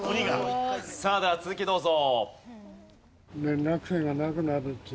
さあでは続きどうぞ。